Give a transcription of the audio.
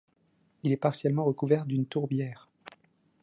Il est partiellement recouvert d'une tourbière.